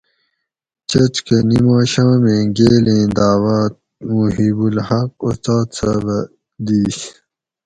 چچ کہ نِماشامیں گیل ایں دعوت محیب الحق اُستاۤد صاۤب اۤ دِیش